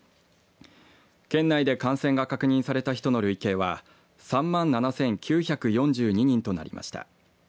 県内で感染が確認された人の累計は３万７９４２人となりました。